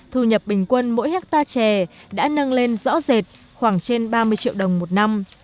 thu nhập bình quân mỗi hectare trẻ đã nâng lên rõ rệt khoảng trên ba mươi triệu đồng một năm